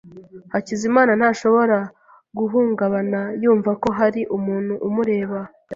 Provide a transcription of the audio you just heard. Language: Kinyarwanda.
Hakizimana ntashobora guhungabana yumva ko hari umuntu umureba.